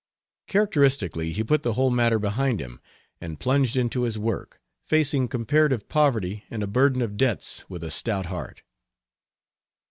Characteristically he put the whole matter behind him and plunged into his work, facing comparative poverty and a burden of debts with a stout heart.